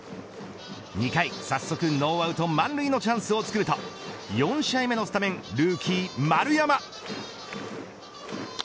２回、早速ノーアウト満塁のチャンスをつくると４試合目のスタメンルーキー丸山。